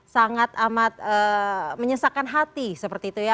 sangat amat menyesakan hati seperti itu ya